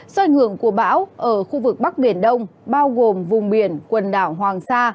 do ảnh hưởng của bão ở khu vực bắc biển đông bao gồm vùng biển quần đảo hoàng sa